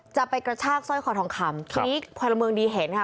จะไปกระชากสร้อยคอทองคำทีนี้พลเมืองดีเห็นค่ะ